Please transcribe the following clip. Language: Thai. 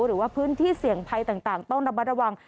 หรือว่าพื้นที่เสี่ยงภัยต่างต้องระมัดระวัง